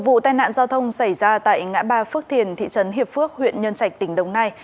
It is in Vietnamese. vụ tai nạn giao thông xảy ra tại ngã ba phước thiền thị trấn hiệp phước huyện nhân trạch tỉnh đồng nai